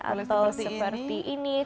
atau seperti ini